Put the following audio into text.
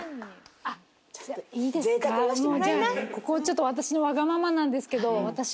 ここちょっと私のわがままなんですけど。